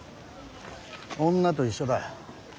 女と一緒だ。